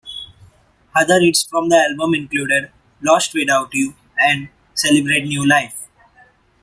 Other hits from the album included "Lost Without You" and "Celebrate New Life.